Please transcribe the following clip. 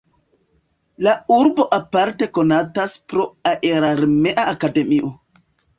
La urbo aparte konatas pro aerarmea akademio.